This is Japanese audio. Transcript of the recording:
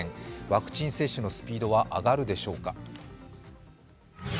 ワクチン接種のスピードは上がるでしょうか。